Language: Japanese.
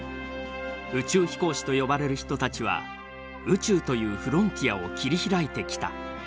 「宇宙飛行士」と呼ばれる人たちは宇宙というフロンティアを切り開いてきた。